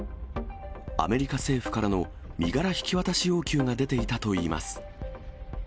アメリカ政府からの身柄引き渡し要求が出ていたといいます。